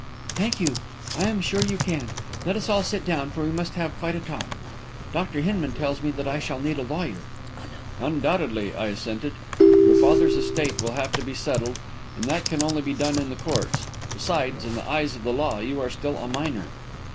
"Thank you. I am sure you can. Let us all sit down, for we must have quite a talk. Dr. Hinman tells me that I shall need a lawyer." "Undoubtedly," I assented. "Your father's estate will have to be settled, and that can only be done in the courts. Besides, in the eyes of the law, you are still a minor."